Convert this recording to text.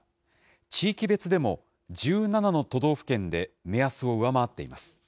地域別でも１７の都道府県で目安を上回っています。